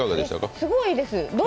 すごいいいです。